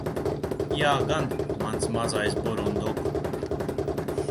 Jā gan, mans mazais burunduk.